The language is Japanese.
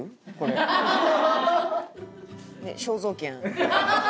肖像権。